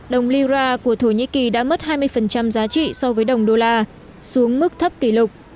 đồng lira của thổ nhĩ kỳ đã mất hai mươi giá trị so với đồng đô la xuống mức thấp kỷ lục